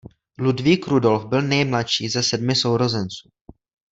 Ludvík Rudolf byl nejmladší ze sedmi sourozenců.